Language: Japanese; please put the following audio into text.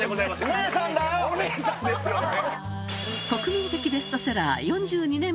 お姉さんですよね。